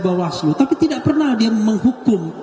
bawaslu tapi tidak pernah dia menghukum